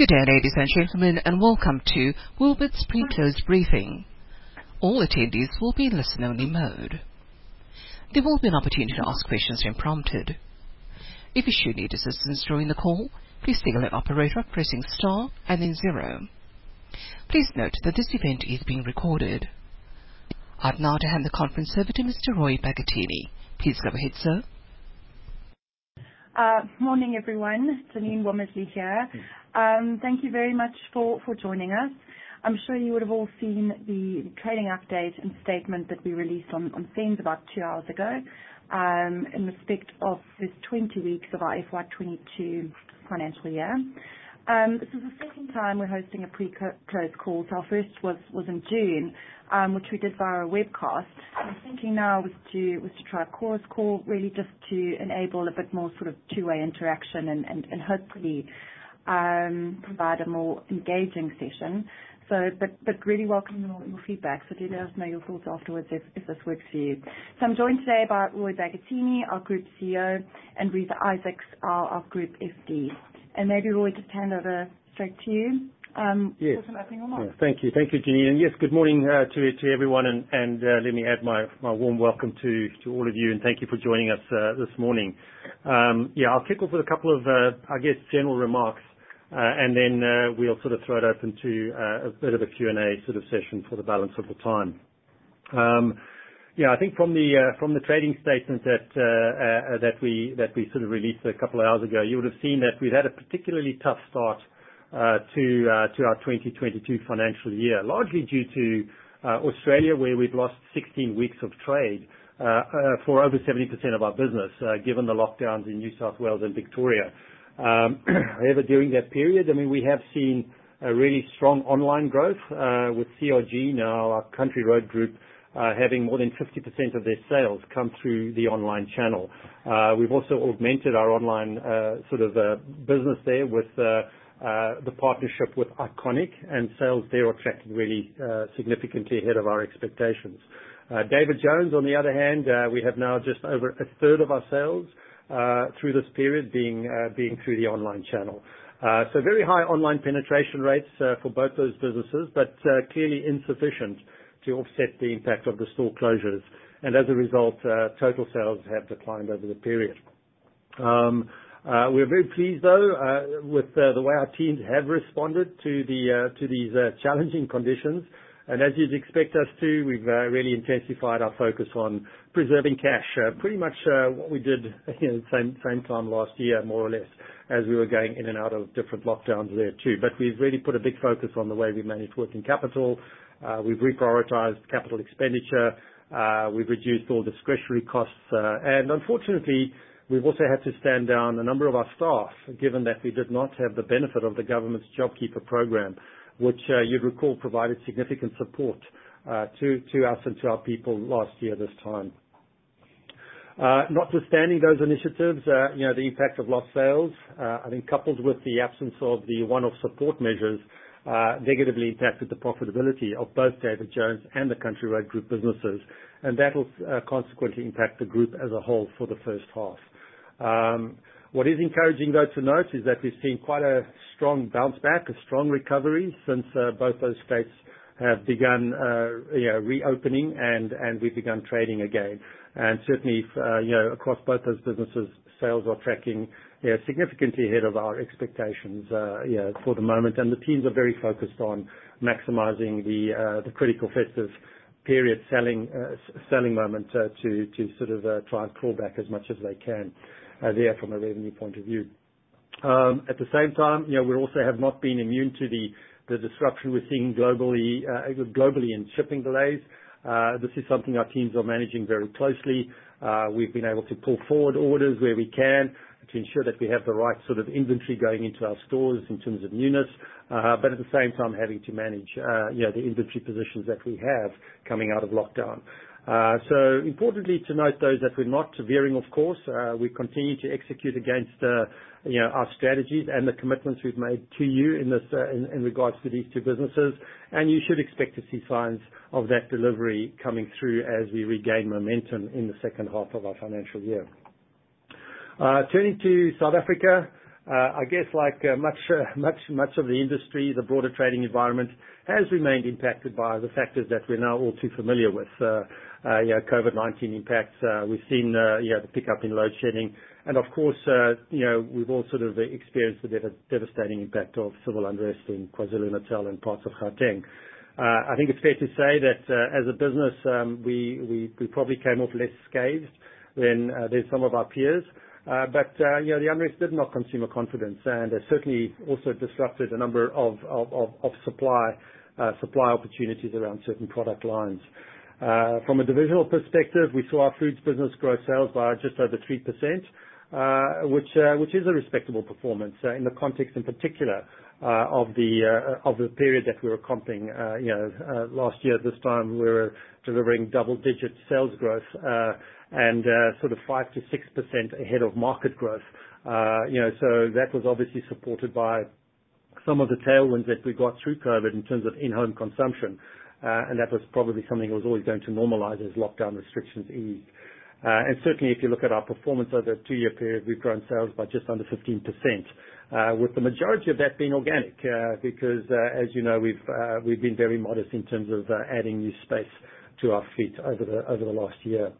Good day, ladies and gentlemen, and welcome to Woolworths pre-close briefing. All attendees will be in listen only mode. There will be an opportunity to ask questions when prompted. If you should need assistance during the call, please signal an operator pressing star and then zero. Please note that this event is being recorded. I'd now hand the conference over to Mr. Roy Bagattini. Please go ahead, sir. Morning, everyone. Jeanine Womersley here. Thank you very much for joining us. I'm sure you would have all seen the trading update and statement that we released on SENS about 2 hours ago, in respect of the 20 weeks of our FY 2022 financial year. This is the second time we're hosting a pre-close call. Our first was in June, which we did via a webcast. We're thinking now was to try a Chorus Call really just to enable a bit more sort of two-way interaction and hopefully provide a more engaging session. But really welcome your feedback. Do let us know your thoughts afterwards if this works for you. I'm joined today by Roy Bagattini, our Group CEO, and Reeza Isaacs, our Group FD. Maybe Roy, just hand over straight to you. Yes. For some opening remarks. Thank you. Thank you, Jeanine. Yes, good morning to everyone and let me add my warm welcome to all of you and thank you for joining us this morning. I'll kick off with a couple of, I guess, general remarks and then we'll sort of throw it open to a bit of a Q&A sort of session for the balance of the time. I think from the trading statement that we sort of released a couple of hours ago, you would have seen that we've had a particularly tough start to our 2022 financial year. Largely due to Australia, where we've lost 16 weeks of trade for over 70% of our business, given the lockdowns in New South Wales and Victoria. However during that period, I mean, we have seen a really strong online growth with CRG now, our Country Road Group, having more than 50% of their sales come through the online channel. We've also augmented our online sort of business there with the partnership with THE ICONIC and sales there are tracking really significantly ahead of our expectations. David Jones, on the other hand, we have now just over a third of our sales through this period being through the online channel. Very high online penetration rates for both those businesses, but clearly insufficient to offset the impact of the store closures. As a result, total sales have declined over the period. We're very pleased though with the way our teams have responded to these challenging conditions. As you'd expect us to, we've really intensified our focus on preserving cash. Pretty much what we did same time last year, more or less, as we were going in and out of different lockdowns there too. But we've really put a big focus on the way we manage working capital. We've reprioritized capital expenditure. We've reduced all discretionary costs. Unfortunately, we've also had to stand down a number of our staff, given that we did not have the benefit of the government's JobKeeper program, which you'd recall provided significant support to us and to our people last year this time. Notwithstanding those initiatives the impact of lost sales, I think coupled with the absence of the one-off support measures, negatively impacted the profitability of both David Jones and the Country Road Group businesses. That'll consequently impact the group as a whole for the H1. What is encouraging though to note is that we've seen quite a strong bounce back, a strong recovery since both those states have begun reopening and we've begun trading again. certainly across both those businesses, sales are tracking significantly ahead of our expectations for the moment. The teams are very focused on maximizing the critical festive period selling moment to sort of try and claw back as much as they can there from a revenue point of view. At the same time we also have not been immune to the disruption we're seeing globally in shipping delays. This is something our teams are managing very closely. We've been able to pull forward orders where we can to ensure that we have the right sort of inventory going into our stores in terms of newness, but at the same time having to manage the inventory positions that we have coming out of lockdown. Importantly to note though is that we're not veering off course. We continue to execute against our strategies and the commitments we've made to you in this, in regards to these two businesses. You should expect to see signs of that delivery coming through as we regain momentum in the H2 of our financial year. Turning to South Africa, I guess like, much of the industry, the broader trading environment has remained impacted by the factors that we're now all too familiar with. You know, COVID-19 impacts. We've seen the pickup in load shedding. Of course we've all sort of experienced the devastating impact of civil unrest in KwaZulu-Natal and parts of Gauteng. I think it's fair to say that, as a business, we probably came off less scathed than some of our peers. You know, the unrest did knock consumer confidence, and it certainly also disrupted a number of supply opportunities around certain product lines. From a divisional perspective, we saw our Foods business grow sales by just over 3%, which is a respectable performance in the context in particular of the period that we were comping. You know, last year at this time, we were delivering double-digit sales growth, and sort of 5%-6% ahead of market growth. You know, that was obviously supported by some of the tailwinds that we got through COVID-19 in terms of in-home consumption, and that was probably something that was always going to normalize as lockdown restrictions eased. Certainly if you look at our performance over a two-year period, we've grown sales by just under 15%, with the majority of that being organic, because, as you know, we've been very modest in terms of adding new space to our fleet over the last year.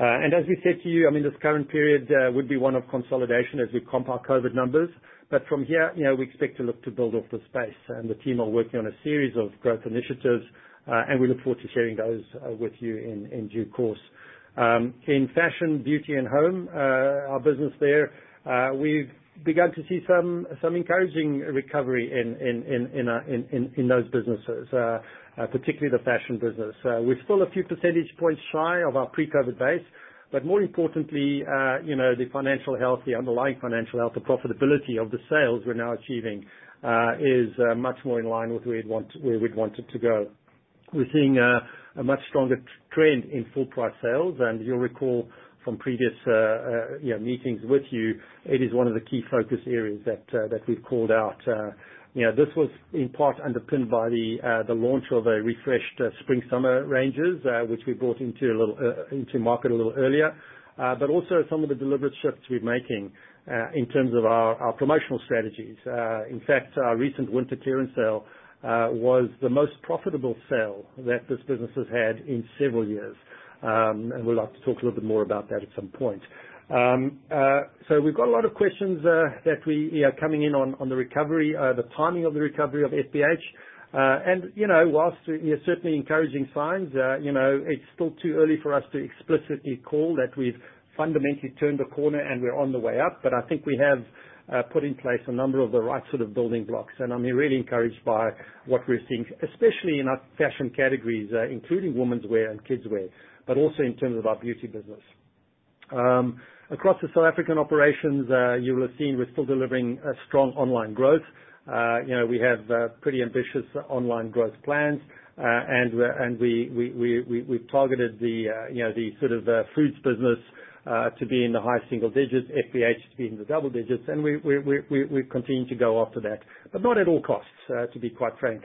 As we said to you, I mean this current period would be one of consolidation as we comp our COVID numbers, but from here we expect to look to build off the space and the team are working on a series of growth initiatives, and we look forward to sharing those with you in due course. In Fashion, Beauty and Home, our business there, we've begun to see some encouraging recovery in those businesses, particularly the Fashion business. We're still a few percentage points shy of our pre-COVID base, but more importantly the financial health, the underlying financial health, the profitability of the sales we're now achieving is much more in line with where we'd want it to go. We're seeing a much stronger trend in full price sales and you'll recall from previous meetings with you, it is one of the key focus areas that we've called out. You know, this was in part underpinned by the launch of a refreshed spring summer ranges, which we brought into market a little earlier. But also some of the deliberate shifts we're making in terms of our promotional strategies. In fact, our recent winter clearance sale was the most profitable sale that this business has had in several years. We'd like to talk a little bit more about that at some point. We've got a lot of questions that are coming in on the recovery, the timing of the recovery of FBH. You know, while certainly encouraging signs it's still too early for us to explicitly call that we've fundamentally turned the corner and we're on the way up. I think we have put in place a number of the right sort of building blocks, and I'm really encouraged by what we're seeing, especially in our fashion categories, including women's wear and kids wear, but also in terms of our beauty business. Across the South African operations, you will have seen we're still delivering a strong online growth. You know, we have pretty ambitious online growth plans, and we've targeted the Foods business to be in the high single digits%, FBH to be in the double digits% and we've continued to go after that, but not at all costs, to be quite frank.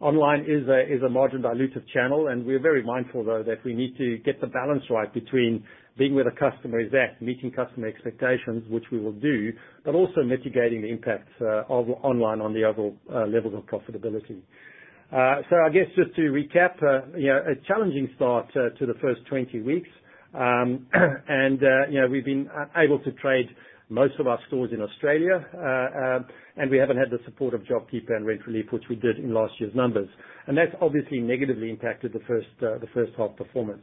Online is a margin dilutive channel, and we're very mindful though that we need to get the balance right between being where the customer is at, meeting customer expectations, which we will do, but also mitigating the impacts of online on the overall levels of profitability. I guess just to recap a challenging start to the first 20 weeks. You know, we've been able to trade most of our stores in Australia, and we haven't had the support of JobKeeper and rent relief, which we did in last year's numbers. That's obviously negatively impacted the H1 performance.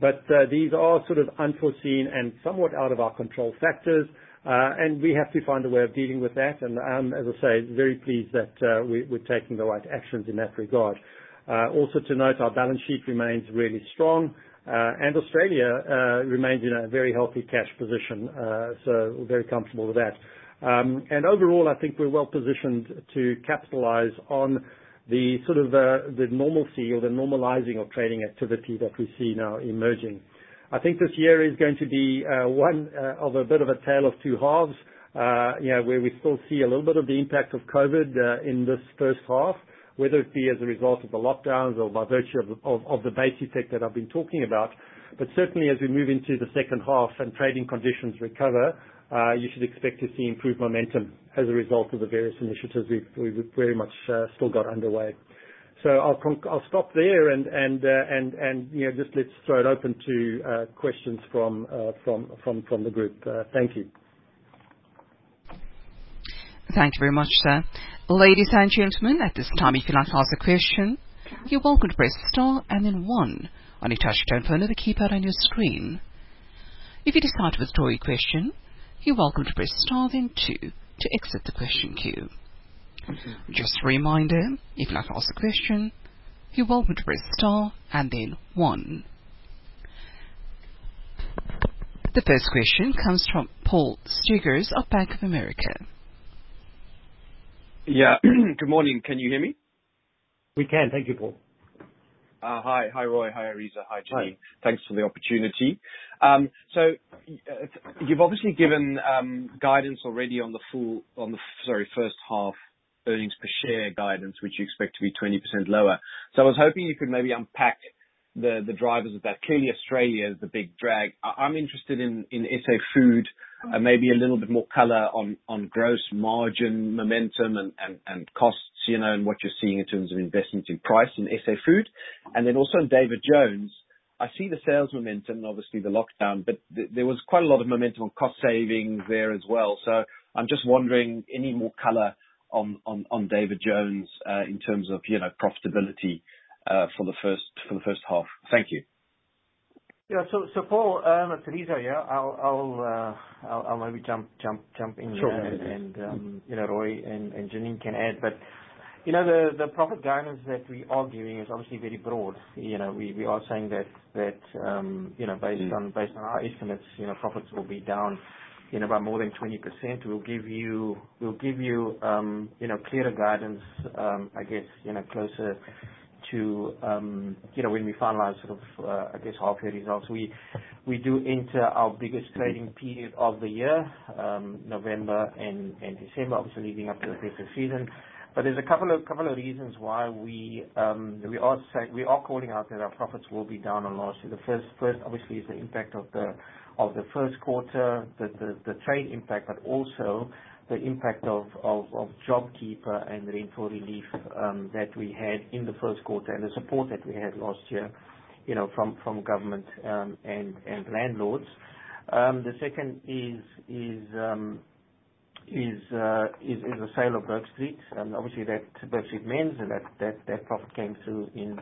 These are sort of unforeseen and somewhat out of our control factors, we have to find a way of dealing with that. As I say, very pleased that we're taking the right actions in that regard. Also to note our balance sheet remains really strong, Australia remains in a very healthy cash position. We're very comfortable with that. Overall, I think we're well positioned to capitalize on the sort of normalcy or the normalizing of trading activity that we see now emerging. I think this year is going to be one of a bit of a tale of two halves where we still see a little bit of the impact of COVID in this H1, whether it be as a result of the lockdowns or by virtue of the base effect that I've been talking about. Certainly as we move into the H2 and trading conditions recover, you should expect to see improved momentum as a result of the various initiatives we've very much still got underway. I'll stop there and you know, just let's throw it open to questions from the group. Thank you. The first question comes from Paul Svigars of Bank of America. Yeah. Good morning. Can you hear me? We can. Thank you, Paul. Hi. Hi, Roy. Hi, Reeza. Hi, Jeanine. Hi. Thanks for the opportunity. You've obviously given guidance already on the H1 earnings per share guidance, which you expect to be 20% lower. I was hoping you could maybe unpack the drivers of that. Clearly Australia is the big drag. I'm interested in SA Food and maybe a little bit more color on gross margin momentum and costs and what you're seeing in terms of investment in price in SA Food. Also in David Jones, I see the sales momentum, obviously the lockdown, but there was quite a lot of momentum on cost savings there as well. I'm just wondering, any more color on David Jones in terms of profitability for the H1. Thank you. Yeah. Paul, it's Reeza here. I'll maybe jump in there. Sure. You know, Roy and Jeanine can add, but you know, the profit guidance that we are giving is obviously very broad. You know, we are saying that based on- Mm-hmm. Based on our estimates profits will be down by more than 20%. We'll give you clearer guidance, I guess closer. to when we finalize sort of, I guess, our half year results, we do enter our biggest trading period of the year, November and December, obviously leading up to the festive season. There's a couple of reasons why we are calling out that our profits will be down on last year. The first obviously is the impact of the Q1, the trade impact, but also the impact of JobKeeper and rent relief that we had in the Q1 and the support that we had last year from government and landlords. The second is the sale of Bourke Street. Obviously that Bourke Street means that that profit came through in.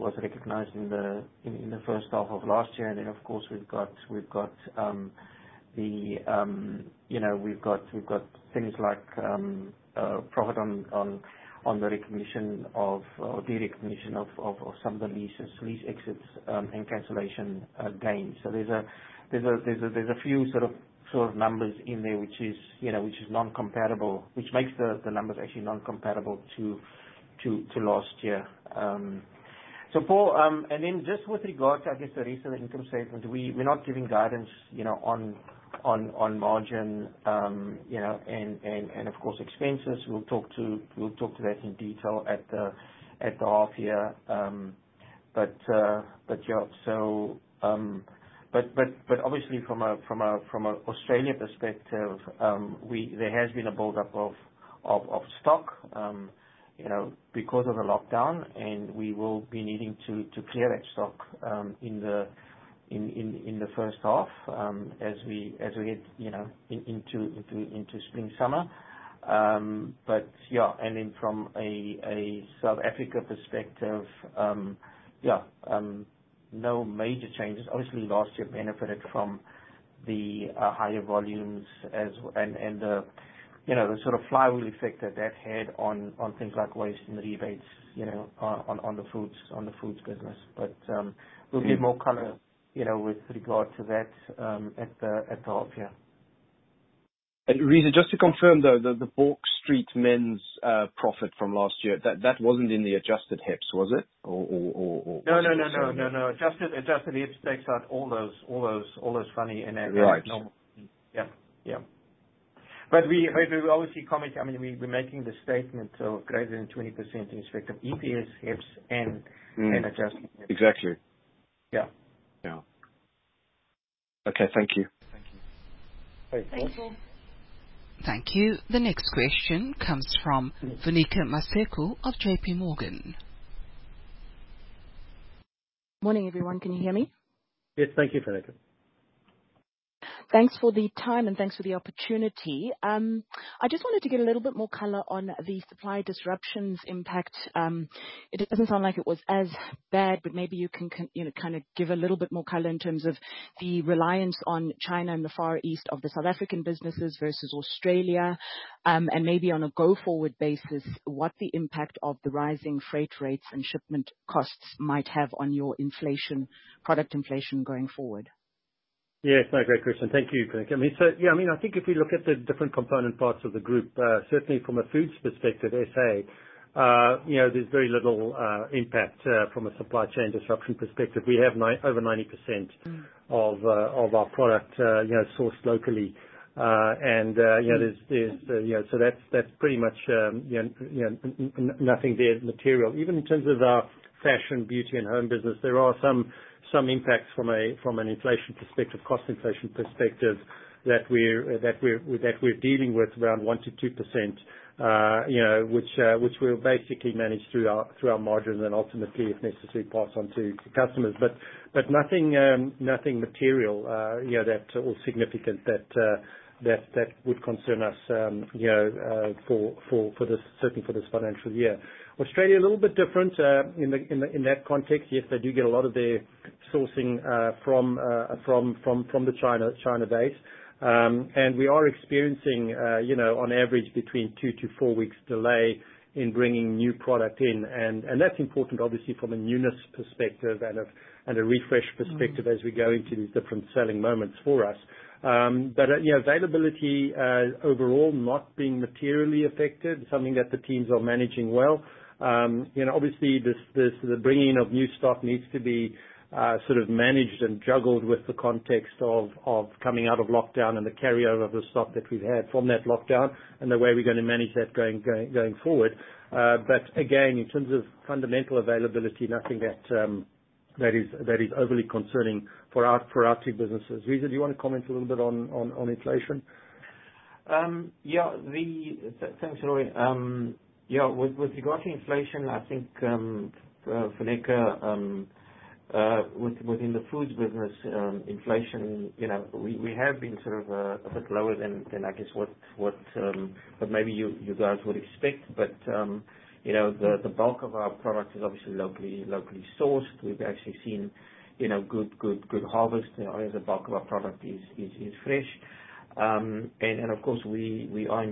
was recognized in the H1 of last year. Then of course, we've got things like profit on the recognition of, or the recognition of some of the leases, lease exits, and cancellation gains. There's a few sort of numbers in there which is non-comparable, which makes the numbers actually non-comparable to last year. So Paul, and then just with regard to, I guess, the recent income statement, we're not giving guidance on margin and of course expenses. We'll talk to that in detail at the half year. Obviously from an Australian perspective, there has been a buildup of stock because of the lockdown, and we will be needing to clear that stock in the H1, as we get into spring/summer. Yeah. From a South African perspective, yeah, no major changes. Obviously, last year benefited from the higher volumes the sort of flywheel effect that that had on things like waste and rebates on the Foods business. We'll give more color with regard to that, at the half year. Reeza, just to confirm though, the Bourke Street men's profit from last year, that wasn't in the adjusted HEPS was it? No. Adjusted HEPS takes out all those funny and Right. We will obviously comment. I mean, we're making the statement of greater than 20% in respect of EPS, HEPS and Mm. adjusted HEPS. Exactly. Yeah. Yeah. Okay, thank you. Thank you. Great. Thanks all. Thank you. The next question comes from Mm. Funeka Maseko of JP Morgan. Morning, everyone. Can you hear me? Yes. Thank you, Funeka. Thanks for the time and thanks for the opportunity. I just wanted to get a little bit more color on the supply disruptions impact. It doesn't sound like it was as bad, but maybe you can you know, kinda give a little bit more color in terms of the reliance on China and the Far East of the South African businesses versus Australia. Maybe on a go forward basis, what the impact of the rising freight rates and shipment costs might have on your inflation, product inflation going forward? Yes. No, great question. Thank you, Funeka. I mean, so yeah, I mean, I think if you look at the different component parts of the group, certainly from a Foods perspective, sa there's very little impact from a supply chain disruption perspective. We have over 90%- Mm. of our product sourced locally. Mm. You know, there's you know so that's pretty much you know nothing there material. Even in terms of our Fashion, Beauty, and Home business, there are some impacts from an inflation perspective, cost inflation perspective that we're dealing with around 1%-2% which we'll basically manage through our margins and ultimately, if necessary, pass on to customers. But nothing material that or significant that would concern us for this, certainly for this financial year. Australia a little bit different in that context. Yes, they do get a lot of their sourcing from the China base. We are experiencing on average between two-four weeks delay in bringing new product in, and that's important obviously from a newness perspective and a refresh perspective. Mm. As we go into these different selling moments for us. but availability overall not being materially affected, something that the teams are managing well. You know, obviously this, the bringing of new stock needs to be sort of managed and juggled with the context of coming out of lockdown and the carryover of the stock that we've had from that lockdown and the way we're gonna manage that going forward. But again, in terms of fundamental availability, nothing that is overly concerning for our two businesses. Reeza, do you wanna comment a little bit on inflation? Yeah. Thanks, Jeanine. Yeah, with regards to inflation, I think, Funeka, within the Foods business, inflation we have been sort of a bit lower than I guess what maybe you guys would expect. Mm. The bulk of our product is obviously locally sourced. We've actually seen good harvest. You know, as the bulk of our product is fresh. And of course, we are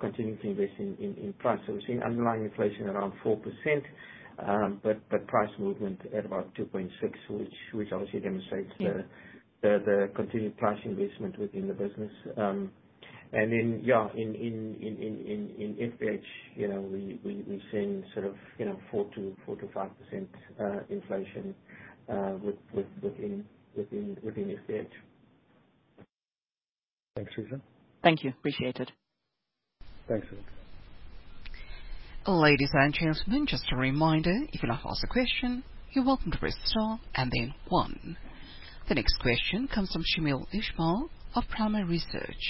continuing to invest in price. We've seen underlying inflation around 4%, but price movement at about 2.6%, which obviously demonstrates the- Yeah. the continued price investment within the business In fbh we've seen sort of 4%-5% inflation within FBH. Thanks, Reeza. Thank you. Appreciated. Thanks. Ladies and gentlemen, just a reminder, if you want to ask a question, you're welcome to press star and then one. The next question comes from Shamil Ismail of PrimaResearch.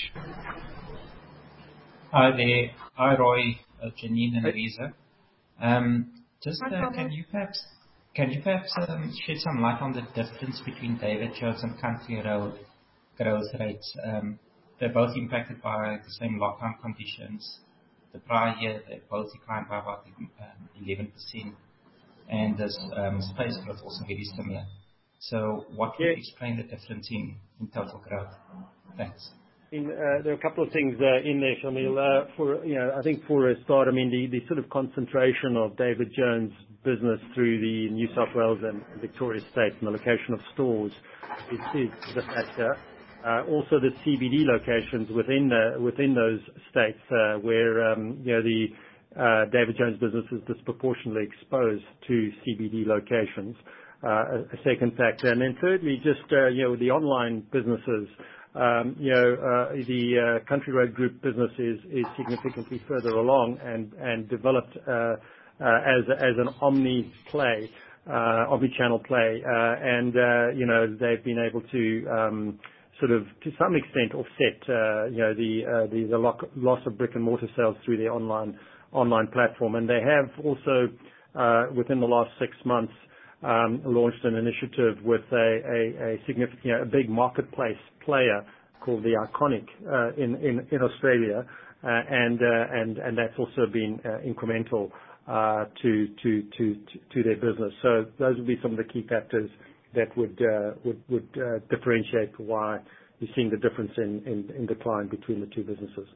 Hi there. Hi, Roy, Jeanine and Reeza. Just, can you perhaps shed some light on the difference between David Jones and Country Road growth rates? They're both impacted by the same lockdown conditions. The prior year, they both declined by about 11% and space growth also very similar. What can explain the difference in total growth? Thanks. There are a couple of things in there, Shamil. For a start, I mean, the sort of concentration of David Jones' business through the New South Wales and Victoria states and the location of stores is the factor. Also the CBD locations within those states where you know the David Jones business is disproportionately exposed to CBD locations, a second factor. Then thirdly, just you know the online businesses you know the Country Road Group business is significantly further along and developed as an omni-play omni-channel play. You know they've been able to sort of to some extent offset you know the loss of brick-and-mortar sales through their online platform. They have also within the last six months launched an initiative with a big marketplace player called THE ICONIC in Australia. And that's also been incremental to their business. Those would be some of the key factors that would differentiate why you're seeing the difference in decline between the two businesses.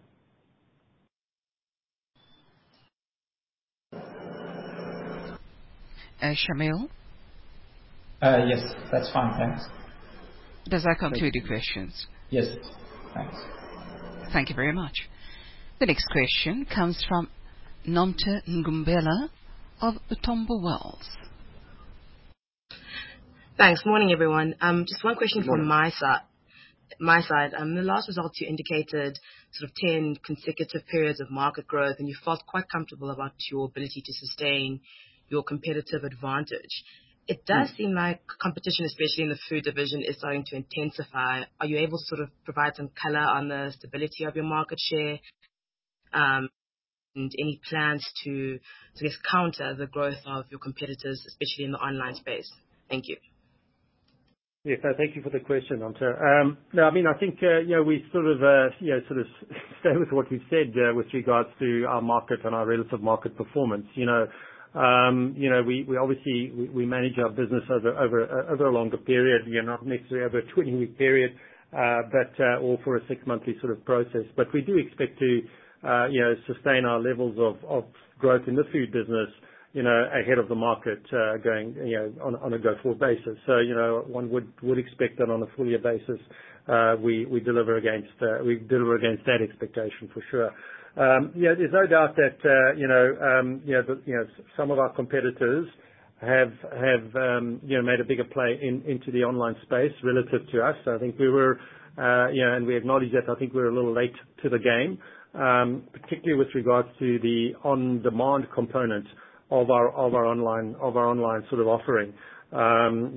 Shamil? Yes. That's fine. Thanks. Does that conclude your questions? Yes. Thanks. Thank you very much. The next question comes from Nomtha Ngumbela of Utomba Wealth. Thanks. Morning, everyone. Just one question from my si- Morning. My side. The last results you indicated sort of 10 consecutive periods of market growth, and you felt quite comfortable about your ability to sustain your competitive advantage. It does seem like competition, especially in the food division, is starting to intensify. Are you able to sort of provide some color on the stability of your market share? And any plans to just counter the growth of your competitors, especially in the online space? Thank you. Yes. Thank you for the question, Nontle. No, I mean, I think we sort of stay with what we've said with regards to our market and our relative market performance. You know, we obviously manage our business over a longer period not necessarily over a 20-week period, but for a six-monthly sort of process. But we do expect to sustain our levels of growth in the food business ahead of the market, going you know on a go-forward basis. You know, one would expect that on a full year basis, we deliver against that expectation for sure. Yeah, there's no doubt know the some of our competitors have made a bigger play into the online space relative to us. I think we were and we acknowledge that I think we're a little late to the game, particularly with regards to the on-demand component of our online sort of offering.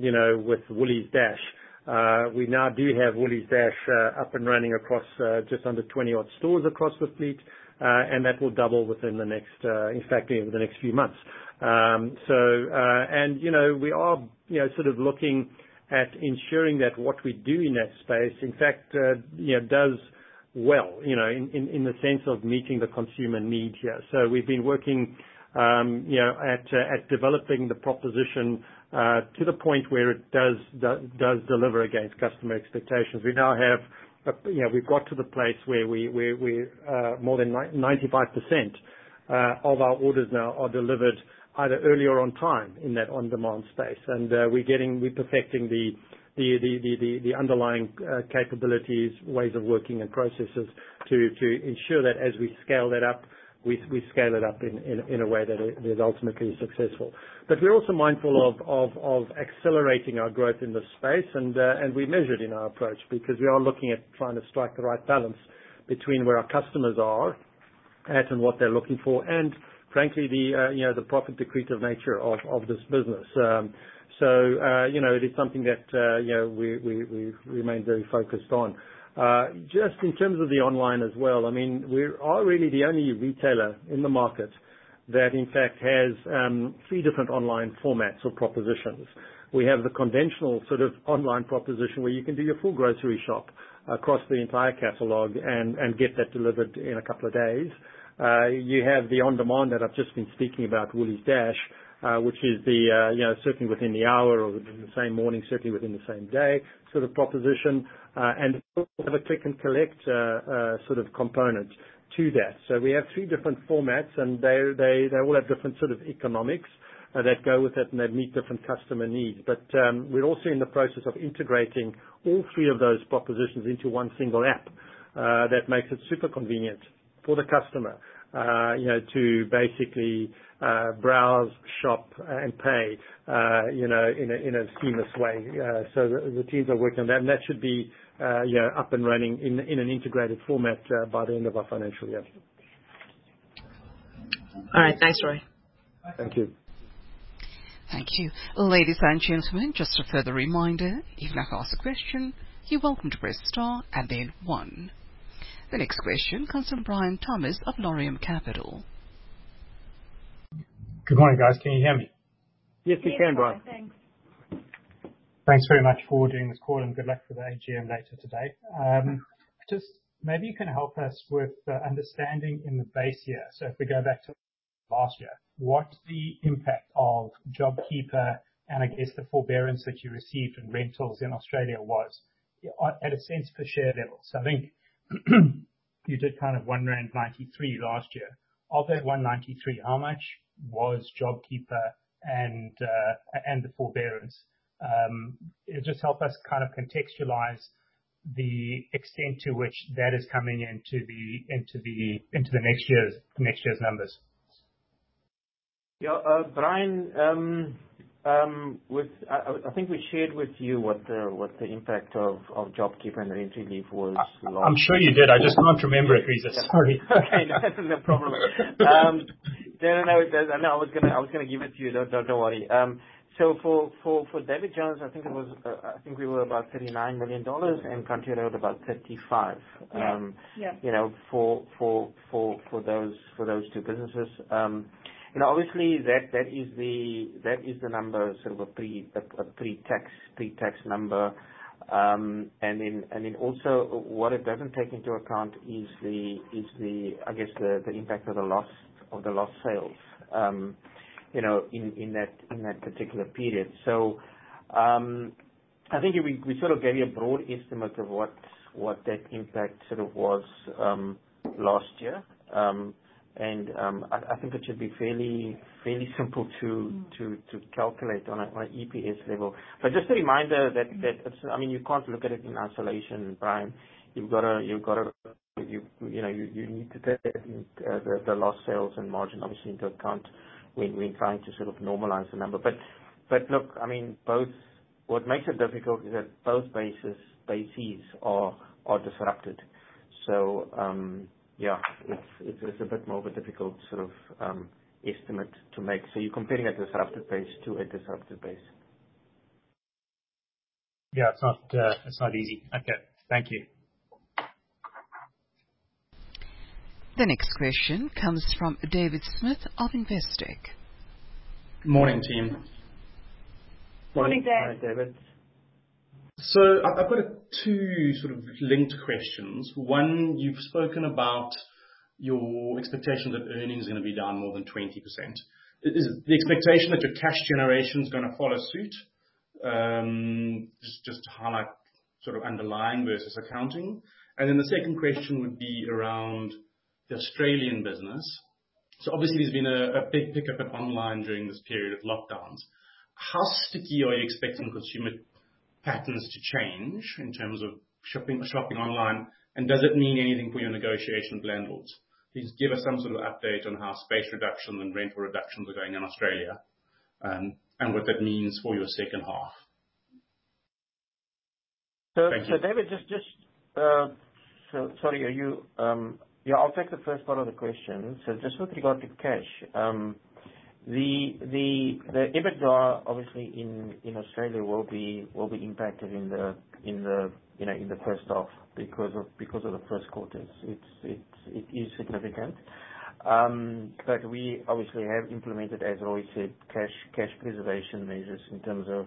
You know, with Woolies Dash. We now do have Woolies Dash up and running across just under 20-odd stores across the fleet, and that will double within the next, in fact, in the next few months. You know, we are sort of looking at ensuring that what we do in that space, in fact does well in the sense of meeting the consumer needs here. We've been working at developing the proposition to the point where it does deliver against customer expectations. You know, we've got to the place where we more than 95% of our orders now are delivered either early or on time in that on-demand space. We're perfecting the underlying capabilities, ways of working and processes to ensure that as we scale that up, we scale it up in a way that it is ultimately successful. We're also mindful of accelerating our growth in this space and we're measured in our approach because we are looking at trying to strike the right balance between where our customers are at and what they're looking for, and frankly you know, the profit accretive nature of this business. so it is something that you know, we remain very focused on. Just in terms of the online as well, I mean, we are really the only retailer in the market that in fact has three different online formats or propositions. We have the conventional sort of online proposition where you can do your full grocery shop across the entire catalog and get that delivered in a couple of days. You have the on-demand that I've just been speaking about, Woolies Dash, which is the certainly within the hour or the same morning, certainly within the same day sort of proposition. Have a click and collect sort of component to that. We have three different formats and they all have different sort of economics. That go with it and they meet different customer needs. We're also in the process of integrating all three of those propositions into one single app, that makes it super convenient for the customer to basically, browse, shop and pay in a seamless way. The teams are working on that, and that should be up and running in an integrated format, by the end of our financial year. All right. Thanks, Roy. Thank you. Thank you. Ladies and gentlemen, just a further reminder, if you'd like to ask a question, you're welcome to press star and then one. The next question comes from Brian Thomas of Laurium Capital. Good morning, guys. Can you hear me? Yes, we can, Brian. Yes, Brian, thanks. Thanks very much for doing this call, and good luck with the AGM later today. Just maybe you can help us with understanding in the base year. If we go back to last year, what the impact of JobKeeper, and I guess the forbearance that you received in rentals in Australia was, at a cents per share levels? I think you did kind of 1.93 rand last year. Of that 1.93, how much was JobKeeper and the forbearance? Just help us kind of contextualize the extent to which that is coming into the next year's numbers. Brian, I think we shared with you what the impact of JobKeeper and the rent relief was last- I'm sure you did. I just can't remember it, Reeza, sorry. Okay, no, that's no problem. No. I know I was gonna give it to you. Don't worry. So for David Jones, I think we were about 39 million dollars, and Country Road about 35 million. Yeah, yeah. You know, for those two businesses. Obviously that is the numbers of a pre-tax number. Then also what it doesn't take into account is, I guess, the impact of the lost sales in that particular period. I think we sort of gave you a broad estimate of what that impact sort of was last year. I think it should be fairly simple to- Mm-hmm. To calculate on a EPS level. Just a reminder, I mean, you can't look at it in isolation, Brian. You've gotta you need to take the lost sales and margin obviously into account when trying to sort of normalize the number. Look, I mean, what makes it difficult is that both bases are disrupted. It is a bit more of a difficult sort of estimate to make. You're comparing a disrupted base to a disrupted base. Yeah, it's not easy. Okay, thank you. The next question comes from David Smith of Investec. Good morning, team. Morning, David. Good morning. Morning, David. I've got two sort of linked questions. One, you've spoken about your expectation that earnings are gonna be down more than 20%. Is the expectation that your cash generation's gonna follow suit? Just to highlight sort of underlying versus accounting. Then the second question would be around the Australian business. Obviously there's been a big pickup of online during this period of lockdowns. How sticky are you expecting consumer patterns to change in terms of shopping online? And does it mean anything for your negotiation with landlords? Please give us some sort of update on how space reduction and rental reductions are going in Australia, and what that means for your H2. Thank you. Yeah, I'll take the first part of the question. Just with regard to cash, the EBITDA obviously in Australia will be impacted in the H1 because of the Q1s. It is significant. But we obviously have implemented, as Roy said, cash preservation measures in terms of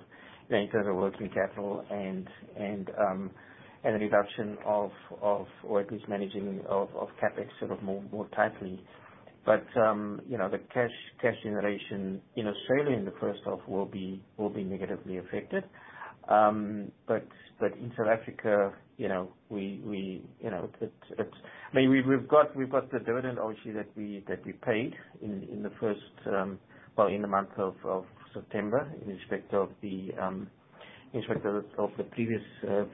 working capital and a reduction of, or at least managing of, CapEx sort of more tightly. You know, the cash generation in Australia in the H1 will be negatively affected. But in South africa we it is... I mean, we've got the dividend obviously that we paid in the month of September in respect of the previous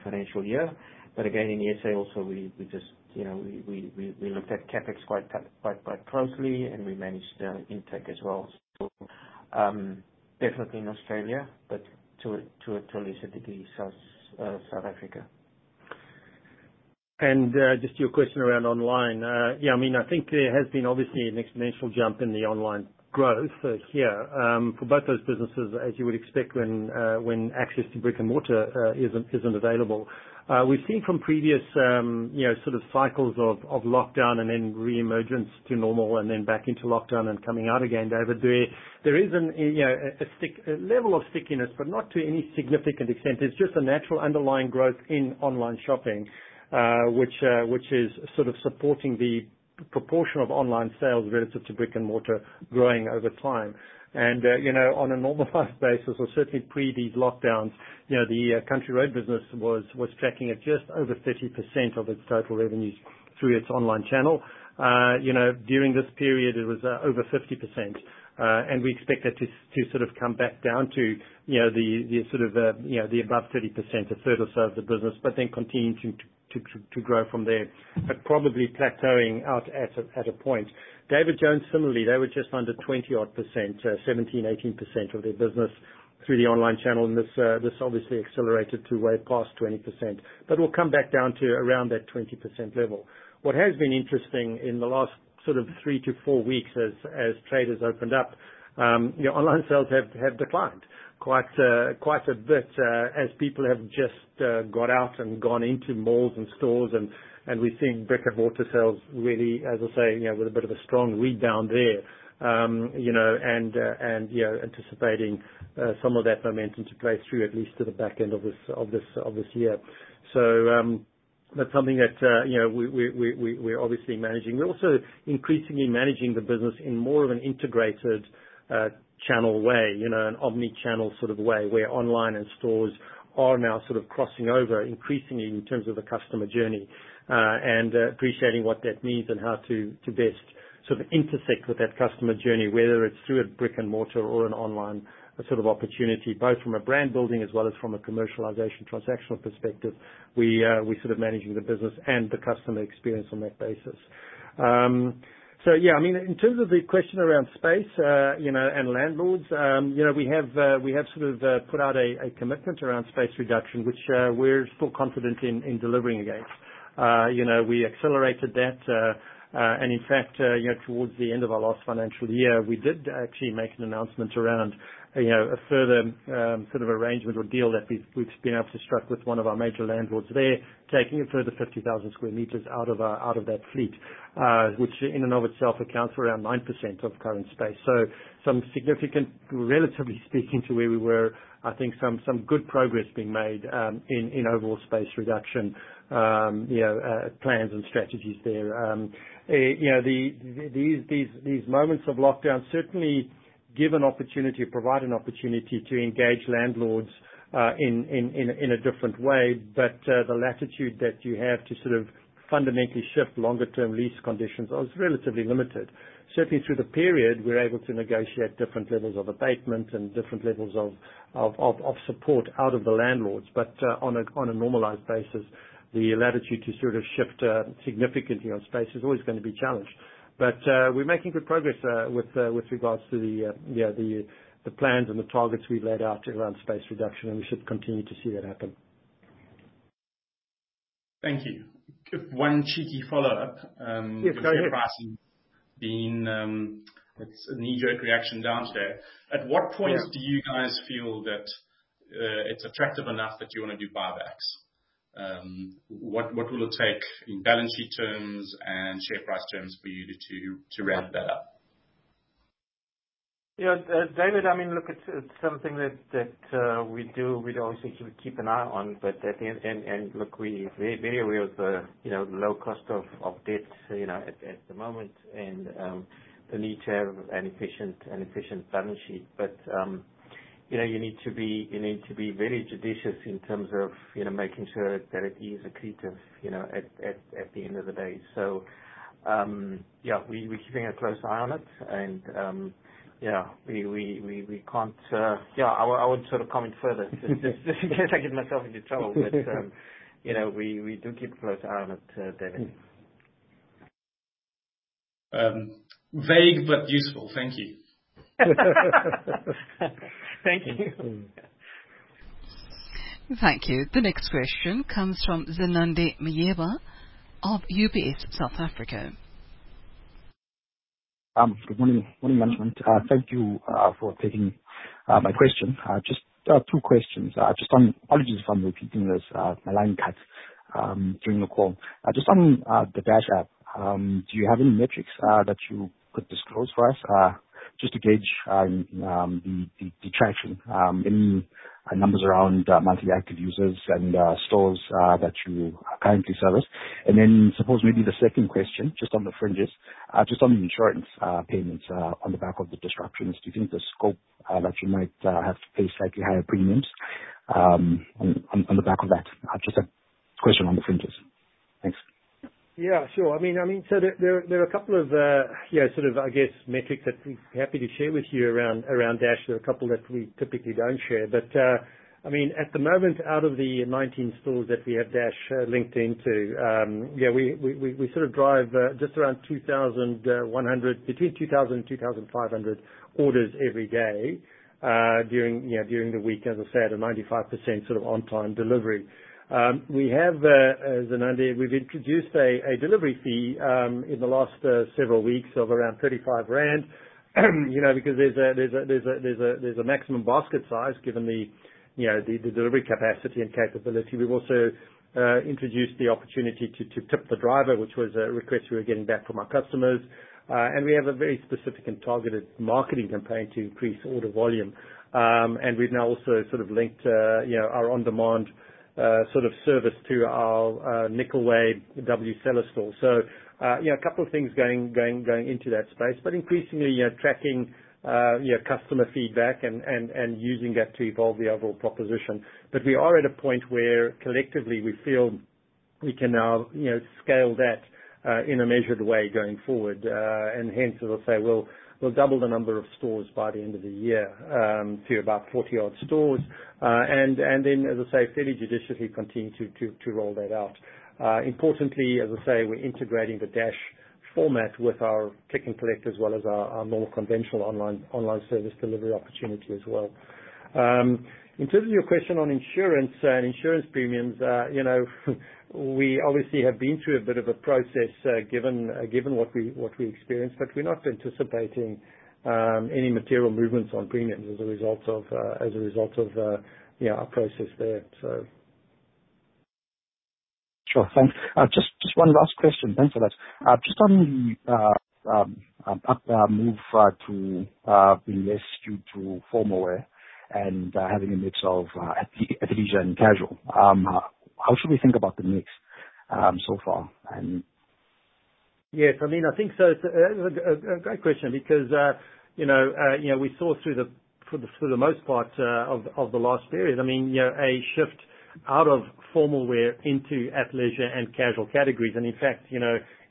financial year. Again, in SA also we just we looked at CapEx quite closely and we managed intact as well. Definitely in Australia, but to a lesser degree South Africa. Just to your question around online. Yeah, I mean, I think there has been obviously an exponential jump in the online growth here for both those businesses, as you would expect when access to brick-and-mortar isn't available. We've seen from previous you know sort of cycles of lockdown and then reemergence to normal and then back into lockdown and coming out again, David, there is an you know a level of stickiness, but not to any significant extent. It's just a natural underlying growth in online shopping which is sort of supporting the proportion of online sales relative to brick-and-mortar growing over time. On a normalized basis or certainly pre these lockdowns the Country Road business was tracking at just over 30% of its total revenues through its online channel. You know, during this period, it was over 50%. We expect that to sort of come back down to the sort of the above 30%, a third or so of the business, but then continuing to grow from there. Probably plateauing out at a point. David Jones similarly, they were just under 20-odd%, 17%-18% of their business through the online channel. This obviously accelerated to way past 20%, but will come back down to around that 20% level. What has been interesting in the last sort of three-four weeks as stores opened up online sales have declined quite a bit, as people have just got out and gone into malls and stores and we're seeing brick-and-mortar sales really, as I say with a bit of a strong wind down there. You know, anticipating some of that momentum to play through at least to the back end of this year. That's something that we're obviously managing. We're also increasingly managing the business in more of an integrated channel way an omni-channel sort of way where online and stores are now sort of crossing over increasingly in terms of the customer journey. Appreciating what that means and how to best sort of intersect with that customer journey, whether it's through a brick-and-mortar or an online sort of opportunity, both from a brand building as well as from a commercialization transactional perspective. We're sort of managing the business and the customer experience on that basis. I mean, in terms of the question around space and landlords we have sort of put out a commitment around space reduction, which we're still confident in delivering against. You know, we accelerated that, and in fact towards the end of our last financial year, we did actually make an announcement around a further sort of arrangement or deal that we've been able to strike with one of our major landlords there, taking a further 50,000 sq m out of that fleet. Which in and of itself accounts for around 9% of current space. So some significant, relatively speaking to where we were, I think some good progress being made in overall space reduction plans and strategies there. These moments of lockdown certainly give an opportunity, provide an opportunity to engage landlords in a different way, but the latitude that you have to sort of fundamentally shift longer term lease conditions is relatively limited. Certainly through the period, we're able to negotiate different levels of abatement and different levels of support out of the landlords. On a normalized basis, the latitude to sort of shift significantly on space is always gonna be challenged. We're making good progress with regards to the the plans and the targets we've laid out around space reduction, and we should continue to see that happen. Thank you. One cheeky follow-up. Yeah. Go ahead. It's a knee-jerk reaction down today. Yeah. At what point do you guys feel that it's attractive enough that you wanna do buybacks? What will it take in balance sheet terms and share price terms for you to ramp that up? Yeah. David, I mean, look, it's something that we'd always actually keep an eye on, but at the end, look, we're very aware of the low cost of debt at the moment and the need to have an efficient balance sheet. You know, you need to be very judicious in terms of making sure that it is accretive at the end of the day. We're keeping a close eye on it. I won't sort of comment further just in case I get myself into trouble. You know, we do keep a close eye on it, David. Vague but useful. Thank you. Thank you. Thank you. The next question comes from Zenande Meyiwa of UBS South Africa. Good morning. Morning, management. Thank you for taking my question. Just two questions. Apologies if I'm repeating this. My line cut during the call. Just on the Dash app, do you have any metrics that you could disclose for us, just to gauge the traction? Any numbers around monthly active users and stores that you currently service? Suppose maybe the second question, just on the fringes. Just on the insurance payments on the back of the disruptions, do you think the scope that you might have to pay slightly higher premiums on the back of that? Just a question on the fringes. Thanks. Yeah, sure. I mean, there are a couple of sort of, I guess, metrics that we're happy to share with you around Dash. There are a couple that we typically don't share. I mean, at the moment, out of the 19 stores that we have Dash linked into, yeah, we sort of drive just around between 2,000 and 2,500 orders every day during the week, as I said, a 95% sort of on time delivery. We have, Zenande, we've introduced a delivery fee in the last several weeks of around 35 rand. You know, because there's a maximum basket size given the you know the delivery capacity and capability. We've also introduced the opportunity to tip the driver, which was a request we were getting back from our customers. We have a very specific and targeted marketing campaign to increase order volume. We've now also sort of linked you know our on-demand sort of service to our Nicolway Woolworths store. You know, a couple of things going into that space. increasingly tracking you know customer feedback and using that to evolve the overall proposition. We are at a point where collectively we feel we can now scale that in a measured way going forward. And hence, as I say, we'll double the number of stores by the end of the year to about 40-odd stores. And then, as I say, fairly judiciously continue to roll that out. Importantly, as I say, we're integrating the Dash format with our Click and Collect, as well as our more conventional online service delivery opportunity as well. In terms of your question on insurance and insurance premiums we obviously have been through a bit of a process, given what we experienced. We're not anticipating any material movements on premiums as a result of you know, our process there, so. Sure. Thanks. Just one last question. Thanks for that. Just on the move to be less due to formal wear and having a mix of athleisure and casual. How should we think about the mix so far? Yes. I mean, I think so. It's a great question because you know we saw for the most part of the last period, I mean a shift out of formal wear into athleisure and casual categories. In fact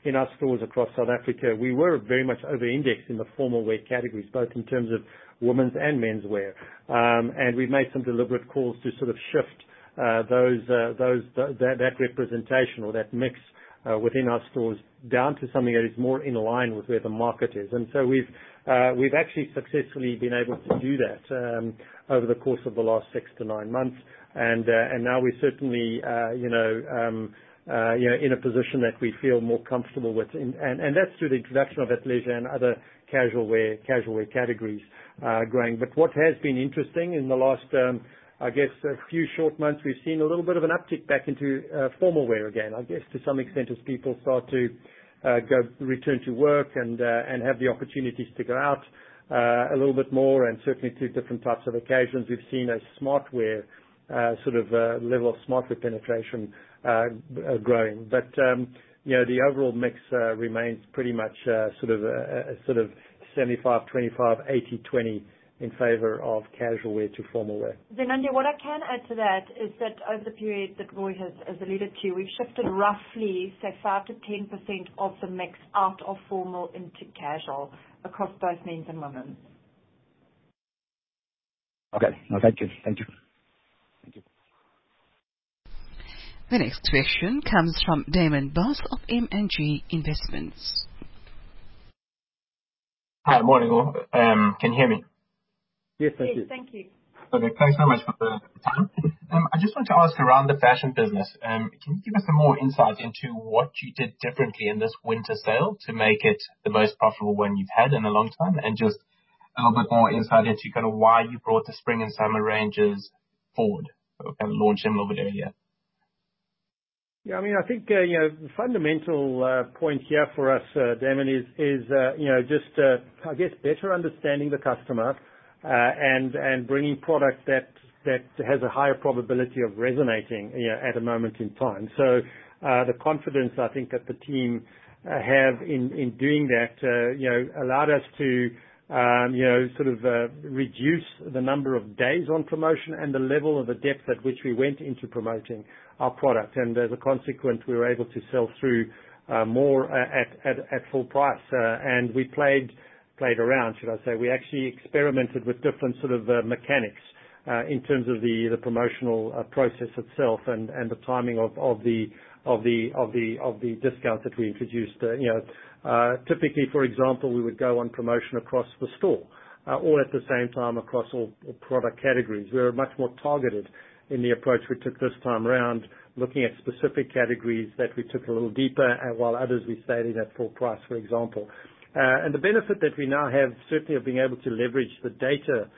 in our stores across South Africa, we were very much over-indexed in the formal wear categories, both in terms of women's and men's wear. We've made some deliberate calls to sort of shift those that representation or that mix within our stores down to something that is more in line with where the market is. We've actually successfully been able to do that over the course of the last six to nine months. Now we certainly in a position that we feel more comfortable with. That's through the introduction of athleisure and other casual wear categories growing. What has been interesting in the last, I guess a few short months, we've seen a little bit of an uptick back into formal wear again. I guess to some extent as people start to return to work and have the opportunities to go out a little bit more and certainly to different types of occasions. We've seen a smart wear sort of level of smart wear penetration growing. You know, the overall mix remains pretty much sort of a 75%/25%, 80%/20% in favor of casual wear to formal wear. Zain, what I can add to that is that over the period that Roy has alluded to, we've shifted roughly, say, 5%-10% of the mix out of formal into casual across both men's and women's. Okay. No, thank you. Thank you. The next question comes from Damon Buss of M&G Investments. Hi. Morning all. Can you hear me? Yes, we can. Yes. Thank you. Okay. Thanks so much for the time. I just want to ask around the fashion business, can you give us some more insight into what you did differently in this winter sale to make it the most profitable one you've had in a long time? Just a little bit more insight into kind of why you brought the spring and summer ranges forward or kind of launched them a little bit earlier. Yeah, I mean, I think fundamental point here for us, Damon is just I guess better understanding the customer, and bringing product that has a higher probability of resonating at a moment in time. The confidence I think that the team have in doing that allowed us to sort of, reduce the number of days on promotion and the level of the depth at which we went into promoting our product. As a consequence, we were able to sell through more at full price. We played around, should I say. We actually experimented with different sort of mechanics in terms of the promotional process itself and the timing of the discounts that we introduced. You know, typically, for example, we would go on promotion across the store all at the same time across all product categories. We were much more targeted in the approach we took this time around, looking at specific categories that we took a little deeper while others we stayed at full price, for example. The benefit that we now have certainly of being able to leverage the data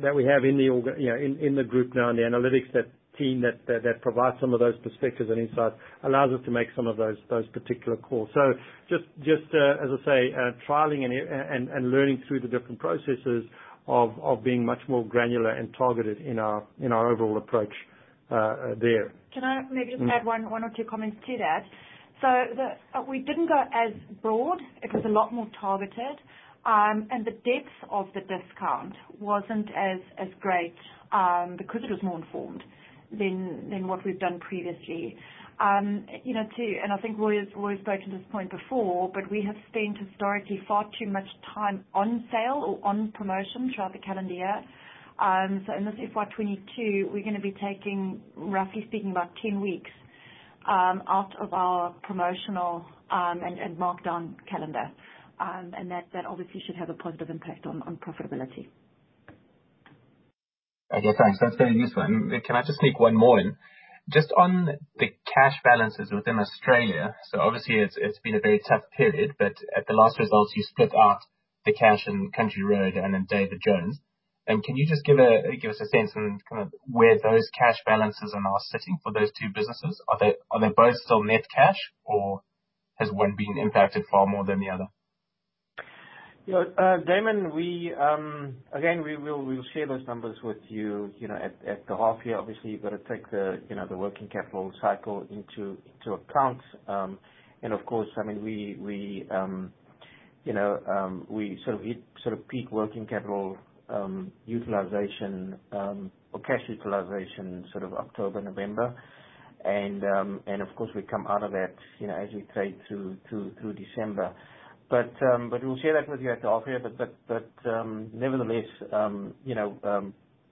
that we have in the org... You know, in the group now and the analytics, that team that provides some of those perspectives and insights allows us to make some of those particular calls. Just as I say, trialing and learning through the different processes of being much more granular and targeted in our overall approach, there. Can I maybe just add one or two comments to that? We didn't go as broad. It was a lot more targeted. And the depth of the discount wasn't as great because it was more informed than what we've done previously. You know, too, and I think Roy's spoken to this point before, but we have spent historically far too much time on sale or on promotion throughout the calendar year. In this FY 2022, we're gonna be taking, roughly speaking, about 10 weeks out of our promotional and markdown calendar. And that obviously should have a positive impact on profitability. Okay, thanks. That's very useful. Can I just sneak one more in? Just on the cash balances within Australia, so obviously it's been a very tough period, but at the last results you split out the cash in Country Road and in David Jones. Can you just give us a sense on kind of where those cash balances are now sitting for those two businesses? Are they both still net cash or has one been impacted far more than the other? Yeah. Damon, we will share those numbers with you know, at the half year. Obviously, you've got to take the the working capital cycle into account. Of course, I mean, we sort of hit sort of peak working capital utilization or cash utilization sort of October, November. Of course we come out of that as you trade through December. We'll share that with you at the half year. nevertheless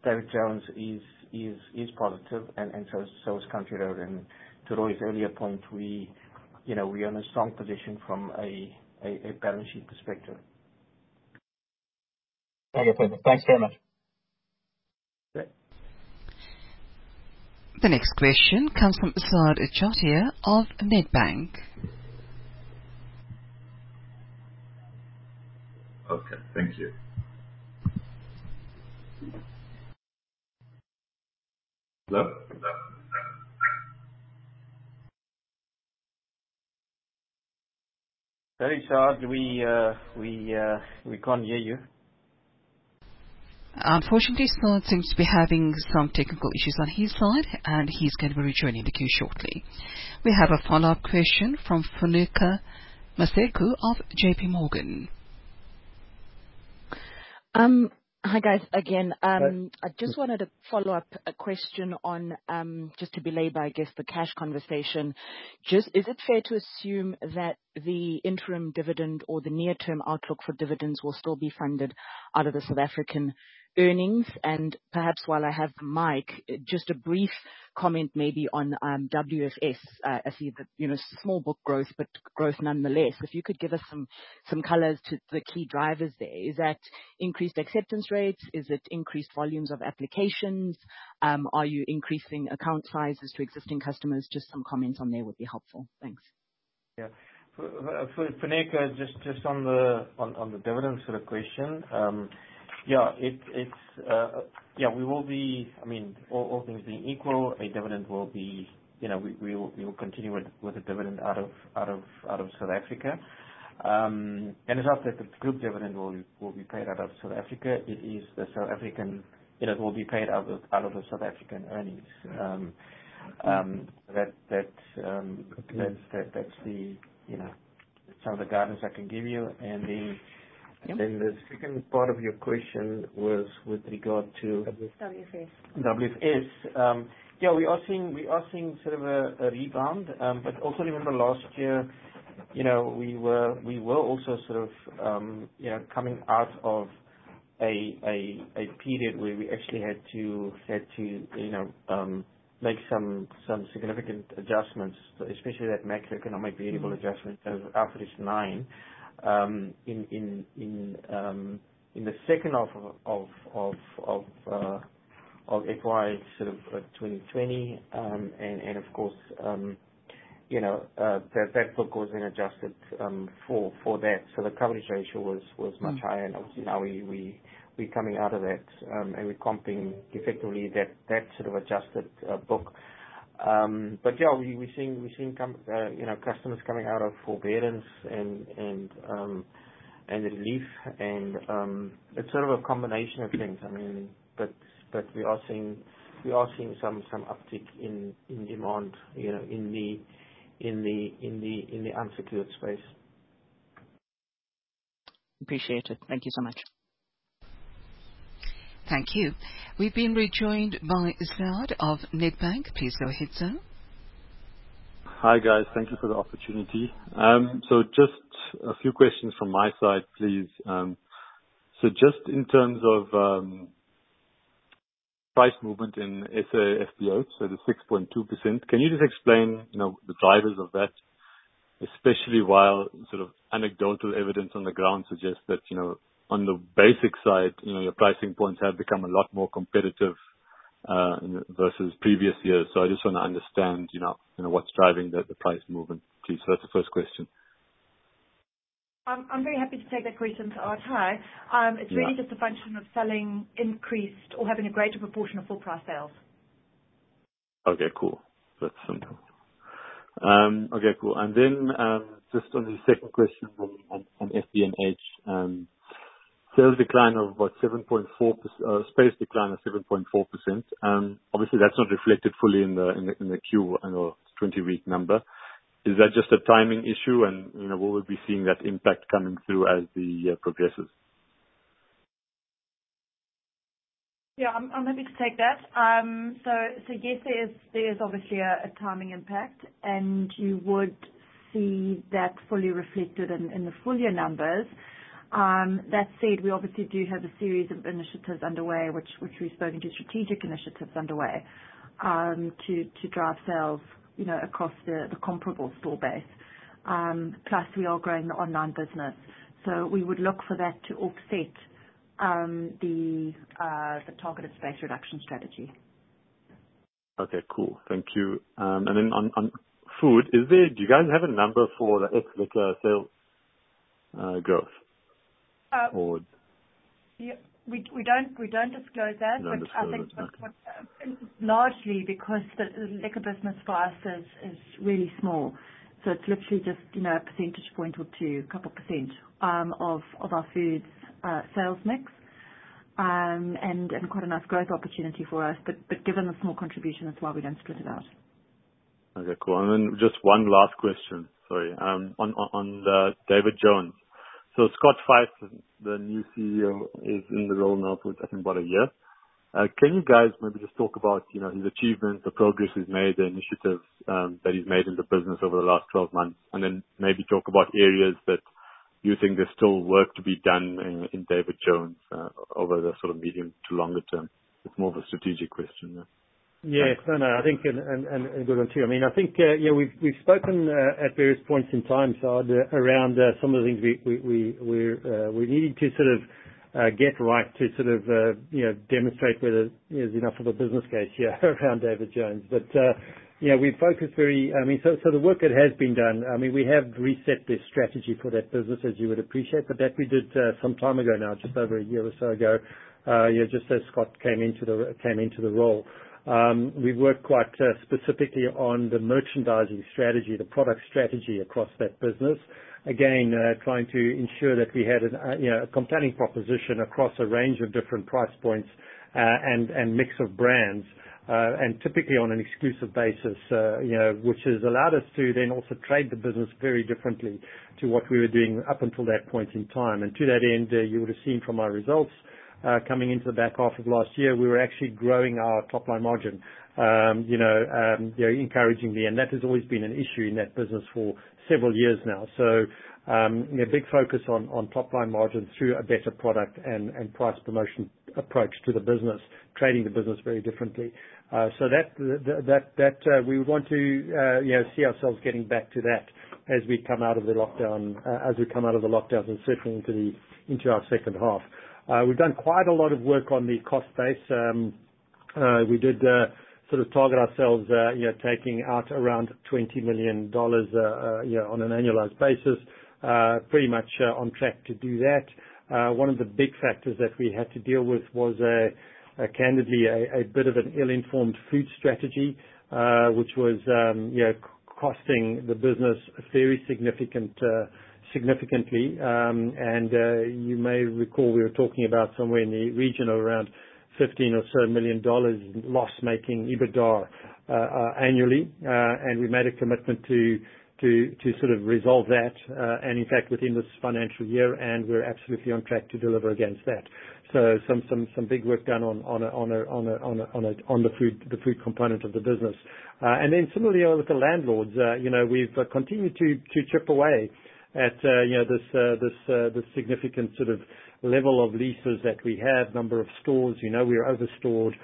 David Jones is positive and so is Country Road. To Roy's earlier point, we we are in a strong position from a balance sheet perspective. Okay, perfect. Thanks very much. Sure. The next question comes from Asad Jeena of Nedbank. Okay, thank you. Hello? Sorry, Asad, we can't hear you. Unfortunately, Asad seems to be having some technical issues on his side, and he's gonna be rejoining the queue shortly. We have a follow-up question from Funeka Maseko of JP Morgan. Hi, guys, again. Hi. I just wanted to follow up a question on, just to allay, I guess, the cash conversation. Is it fair to assume that the interim dividend or the near-term outlook for dividends will still be funded out of the South African earnings? Perhaps while I have the mic, just a brief comment maybe on WFS. I see that small book growth but growth nonetheless. If you could give us some colors to the key drivers there. Is that increased acceptance rates? Is it increased volumes of applications? Are you increasing account sizes to existing customers? Just some comments on there would be helpful. Thanks. Yeah. Funeka, just on the dividend sort of question. Yeah, it's yeah, we will be. I mean, all things being equal, a dividend will be we will continue with the dividend out of South Africa. It's not that the group dividend will be paid out of South Africa. It is the South african will be paid out of the South African earnings. That's the some of the guidance I can give you. And the Yeah. The second part of your question was with regard to. WFS. WFS. We are seeing a rebound. Also remember last year we were also sort of coming out of a period where we actually had to make some significant adjustments, especially that macroeconomic variable adjustment of alpha is 9 in the H2 of FY 2020. Of course that book was then adjusted for that. The coverage ratio was much higher. Mm-hmm. Obviously now we're coming out of that and we're comping effectively that sort of adjusted book. Yeah, we're seeing customers coming out of forbearance and relief and it's sort of a combination of things. I mean, we are seeing some uptick in demand in the unsecured space. Appreciate it. Thank you so much. Thank you. We've been rejoined by Asad of Nedbank. Please go ahead, sir. Hi, guys. Thank you for the opportunity. Just a few questions from my side, please. Just in terms of price movement in SAFEX, the 6.2%, can you just explain the drivers of that? Especially while sort of anecdotal evidence on the ground suggests that on the basic side your pricing points have become a lot more competitive versus previous years. I just wanna understand what's driving the price movement, please. That's the first question. I'm very happy to take that question to Asad. Hi. Yeah. It's really just a function of sales increasing or having a greater proportion of full price sales. Okay, cool. That's simple. Okay, cool. Just on the second question on FBH. Sales decline of about 7.4%. Obviously that's not reflected fully in the Q1 and 20-week number. Is that just a timing issue? You know, will we be seeing that impact coming through as the year progresses? Yeah. I'm happy to take that. Yes, there is obviously a timing impact. You would see that fully reflected in the full year numbers. That said, we obviously do have a series of initiatives underway which we've spoken to, strategic initiatives underway to drive sales across the comparable store base. Plus we are growing the online business. We would look for that to offset the targeted space reduction strategy. Okay, cool. Thank you. On food, do you guys have a number for the liquor sales growth? Or- We don't disclose that. You don't disclose that. Which I think that's what largely because the liquor business for us is really small. It's literally just a percentage point or 2% of our Foods sales mix and quite a nice growth opportunity for us. Given the small contribution, that's why we don't split it out. Okay, cool. Then just one last question. Sorry. On David Jones. Scott Fyfe, the new CEO, is in the role now for I think about a year. Can you guys maybe just talk about his achievements, the progress he's made, the initiatives that he's made in the business over the last 12 months? Then maybe talk about areas that you think there's still work to be done in David Jones over the sort of medium to longer term. It's more of a strategic question. Yeah. No. I think a good one, too. I mean, I think we've spoken at various points in time, Asad, around some of the things we needed to sort of get right to sort of demonstrate whether there's enough of a business case here around David Jones. You know, we've focused very. I mean, the work that has been done, I mean, we have reset the strategy for that business, as you would appreciate. That we did some time ago now, just over a year or so ago just as Scott came into the role. We've worked quite specifically on the merchandising strategy, the product strategy across that business. Again, trying to ensure that we had an a compelling proposition across a range of different price points, and mix of brands. Typically on an exclusive basis which has allowed us to then also trade the business very differently to what we were doing up until that point in time. To that end, you would have seen from our results, coming into the back half of last year, we were actually growing our top-line know encouragingly. That has always been an issue in that business for several years now. You know, big focus on top-line margins through a better product and price promotion approach to the business, trading the business very differently. That we would want to you know see ourselves getting back to that as we come out of the lockdowns and certainly into our H2. We've done quite a lot of work on the cost base. We did sort of target ourselves you know taking out around 20 million dollars on an annualized basis. Pretty much on track to do that. One of the big factors that we had to deal with was candidly a bit of an ill-informed food strategy which was you know costing the business very significantly. You may recall, we were talking about somewhere in the region of around 15 million or so loss-making EBITDA annually. We made a commitment to sort of resolve that, and in fact, within this financial year, we're absolutely on track to deliver against that. Some big work done on the food component of the business. Similarly with the landlords we've continued to chip away at this significant sort of level of leases that we have, number of stores. You know, we are over-stored.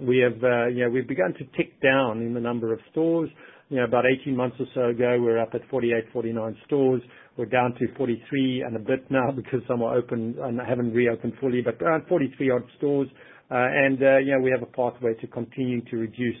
We have we've begun to tick down in the number of stores. You know, about 18 months or so ago, we were up at 48, 49 stores. We're down to 43 and a bit now because some are open and haven't reopened fully, but around 43 odd stores. You know, we have a pathway to continue to reduce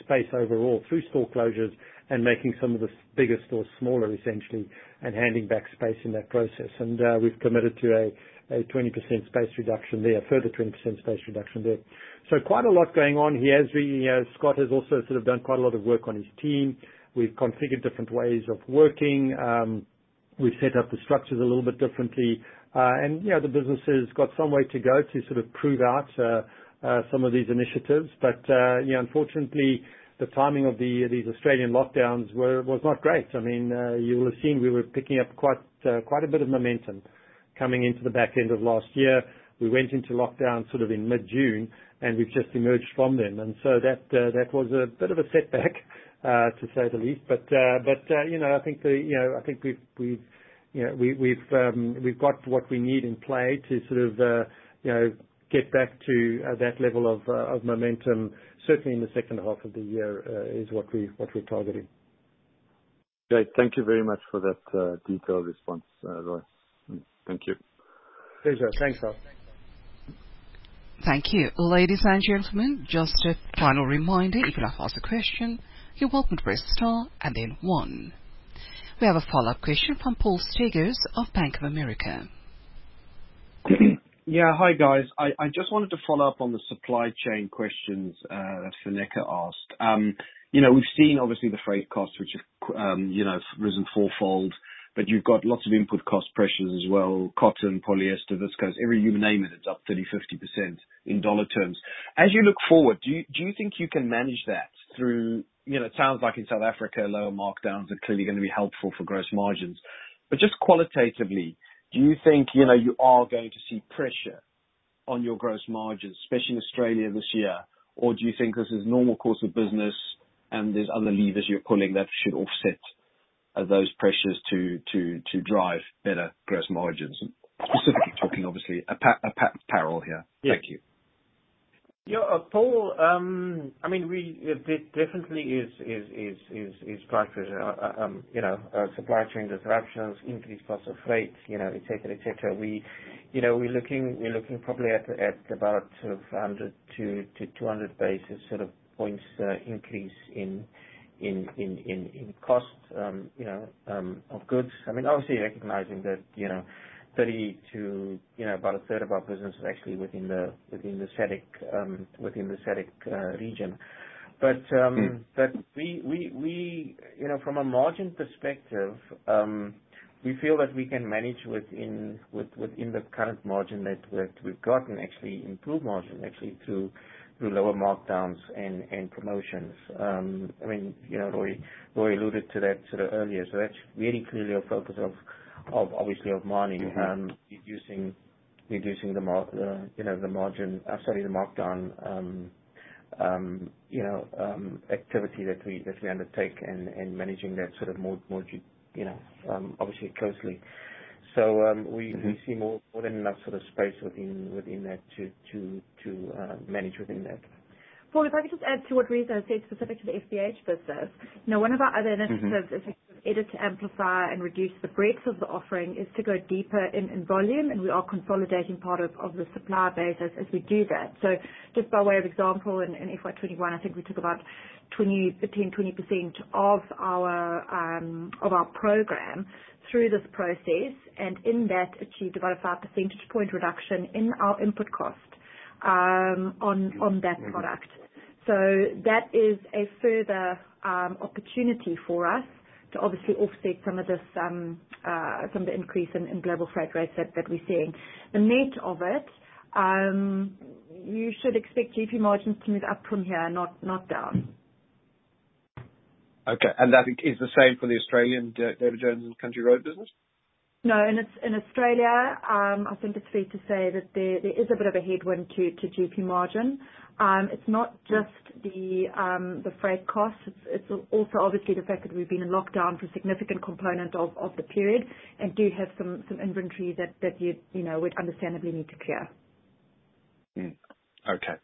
space overall through store closures and making some of the bigger stores smaller, essentially, and handing back space in that process. We've committed to a 20% space reduction there, a further 20% space reduction there. Quite a lot going on here, as we, as Scott has also sort of done quite a lot of work on his team. We've configured different ways of working. We've set up the structures a little bit differently. You know, the business has got some way to go to sort of prove out some of these initiatives. You know, unfortunately, the timing of these Australian lockdowns was not great. I mean, you will have seen we were picking up quite a bit of momentum coming into the back end of last year. We went into lockdown sort of in mid-June, and we've just emerged from them. That was a bit of a setback to say the least. You know, I think we've. You know, we've got what we need in play to sort of get back to that level of momentum, certainly in the H2 of the year, is what we're targeting. Great. Thank you very much for that, detailed response, Roy. Thank you. Pleasure. Thanks, Zaid Manjra. Thank you. Ladies and gentlemen, just a final reminder, if you'd like to ask a question, you're welcome to press star and then one. We have a follow-up question from Paul Svigars of Bank of America. Yeah. Hi, guys. I just wanted to follow up on the supply chain questions that Funeka asked. You know, we've seen obviously the freight costs which have risen fourfold, but you've got lots of input cost pressures as well, cotton, polyester, viscose. Every you name it's up 30, 50% in dollar terms. As you look forward, do you think you can manage that through. You know, it sounds like in South Africa, lower markdowns are clearly gonna be helpful for gross margins. But just qualitatively, do you think you are going to see pressure on your gross margins, especially in Australia this year? Or do you think this is normal course of business and there's other levers you're pulling that should offset? Are those pressures to drive better gross margins? Specifically talking obviously apparel here. Yes. Thank you. Yeah, Paul, I mean, it definitely is price pressure. You know, supply chain disruptions, increased costs of freight et cetera. we we're looking probably at about sort of 100-200 basis points increase in cost of goods. I mean, obviously recognizing that 30% to about a third of our business is actually within the SADC region. But Mm. We know, from a margin perspective, we feel that we can manage within the current margin that we've gotten, actually improve margin actually through lower markdowns and promotions. I mean Laurie alluded to that sort of earlier. That's really clearly a focus of obviously of management. Mm-hmm. Reducing the margin sorry, the markdown activity that we undertake and managing that sort of margin obviously closely. We- Mm-hmm. We see more than enough sort of space within that to manage within that. Paul, if I could just add to what Reeza said specific to the FBH business. Now, one of our other initiatives. Mm-hmm. It's actually sort of either to amplify and reduce the breadth of the offering or to go deeper in volume, and we are consolidating part of the supply base as we do that. Just by way of example, in FY 2021, I think we took about 15-20% of our program through this process, and in that achieved about a five percentage point reduction in our input cost on that product. That is a further opportunity for us to obviously offset some of this some of the increase in global freight rates that we're seeing. The net of it, you should expect GP margins to move up from here, not down. Okay. That is the same for the Australian, David Jones and Country Road business? No. In Australia, I think it's fair to say that there is a bit of a headwind to GP margin. It's not just the freight costs. It's also obviously the fact that we've been in lockdown for a significant component of the period and do have some inventory that you know would understandably need to clear. Okay.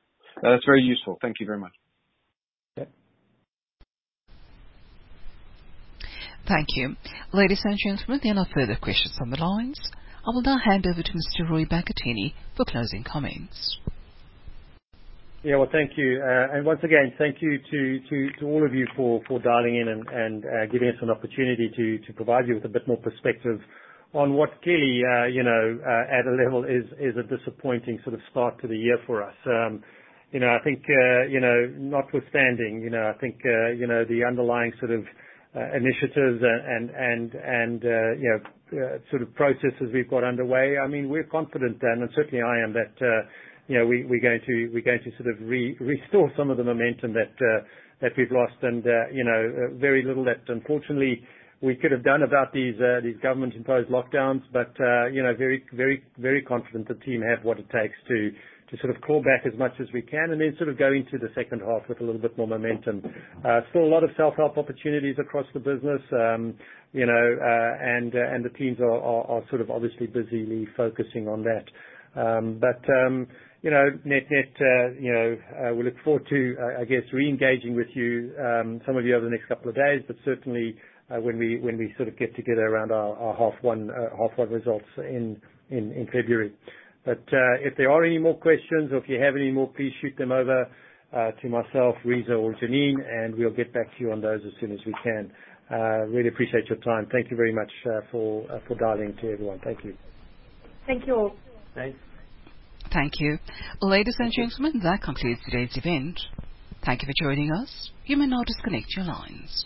No, that's very useful. Thank you very much. Yep. Thank you. Ladies and gentlemen, there are no further questions on the lines. I will now hand over to Mr. Roy Bagattini for closing comments. Yeah. Well, thank you. And once again, thank you to all of you for dialing in and giving us an opportunity to provide you with a bit more perspective on what clearly at a level is a disappointing sort of start to the year for us. You know, I think, notwithstanding I think, the underlying sort of initiatives and processes we've got underway, I mean, we're confident, and certainly I am, that we're going to sort of restore some of the momentum that we've lost. Very little that unfortunately we could have done about these government-imposed lockdowns. Very confident the team have what it takes to sort of claw back as much as we can and then sort of go into the H2 with a little bit more momentum. Still a lot of self-help opportunities across the business. You know, the teams are sort of obviously busily focusing on that. We look forward to, I guess, re-engaging with you, some of you over the next couple of days, but certainly when we sort of get together around our half one results in February. If there are any more questions or if you have any more, please shoot them over to myself, Reeza or Jeanine, and we'll get back to you on those as soon as we can. Really appreciate your time. Thank you very much for dialing in to everyone. Thank you. Thank you all. Thanks. Thank you. Ladies and gentlemen, that concludes today's event. Thank you for joining us. You may now disconnect your lines.